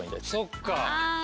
そっか。